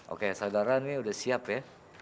oke saudara ini sudah siap ya